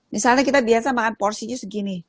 misalnya kita biasa makan porsinya segini